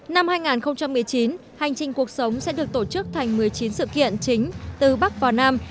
năm hai nghìn một mươi chín hành trình cuộc sống sẽ được tổ chức thành một mươi chín sự kiện chính từ bắc vào nam